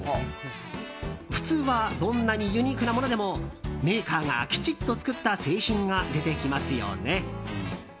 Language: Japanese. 普通はどんなにユニークなものでもメーカーがきちっと作った製品が出てきますよね。